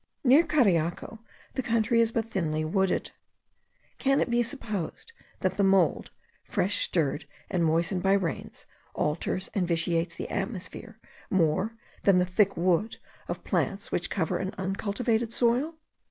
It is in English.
Near Cariaco the country is but thinly wooded. Can it be supposed that the mould, fresh stirred and moistened by rains, alters and vitiates the atmosphere more than the thick wood of plants which covers an uncultivated soil?